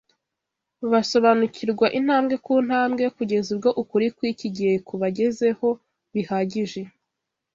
basobanukirwa intambwe ku ntambwe kugeza ubwo ukuri kw’iki gihe kubagezeho bihagije.